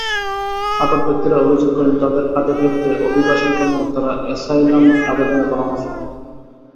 আটক ব্যক্তিরা অভিযোগ করেন, তাঁদের ফাঁদে ফেলতে অভিবাসন কর্মকর্তারা অ্যাসাইলাম আবেদনের পরামর্শ দেন।